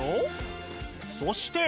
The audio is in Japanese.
そして。